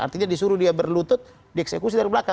artinya disuruh dia berlutut dieksekusi dari belakang